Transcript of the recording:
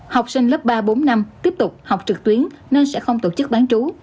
học sinh lớp ba bốn năm tiếp tục học trực tuyến nên sẽ không tổ chức bán chú